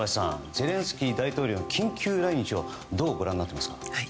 ゼレンスキー大統領の緊急来日をどうご覧になっていますか？